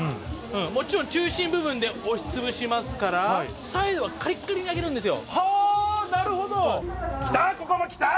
もちろん中心部分で押しつぶしますから、サイドはカリカリに焼き上がるんですよ。